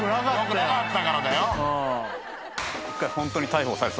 よくなかったからだよ。